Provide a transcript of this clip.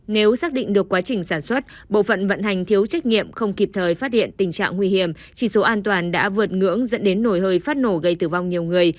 nếu xác định được quá trình sản xuất bộ phận vận hành thiếu trách nhiệm không kịp thời phát hiện tình trạng nguy hiểm chỉ số an toàn đã vượt ngưỡng dẫn đến nổi hơi phát nổ gây tử vong nhiều người